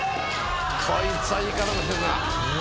こいつはいい体してるな。